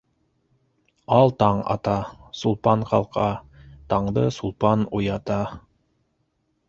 Ал таң ата, Сулпан ҡалҡа, таңды Сулпан уята...